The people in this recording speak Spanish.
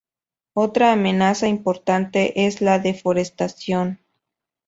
Otra amenaza importante es la deforestación.